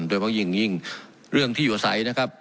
โดยเพราะยิ่งเรื่องที่อยู่อาศัยนะครับ